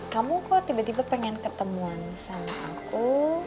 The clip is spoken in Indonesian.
kamu kok tiba tiba pengen ketemuan sama aku